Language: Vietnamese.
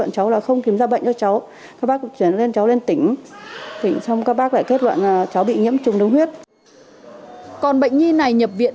còn bệnh nhi này nhập viện